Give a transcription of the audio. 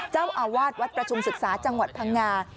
เจ้าอาวาสวัดประชุมศึกษาจังหวัดพังงา